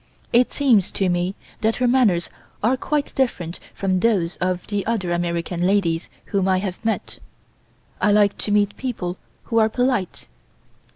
It seems to me that her manners are quite different from those of the other American ladies whom I have met. I like to meet people who are polite."